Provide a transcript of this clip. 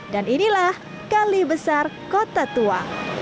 inilah kali besar kota tua